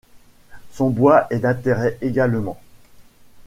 Son bois est d'intérêt également.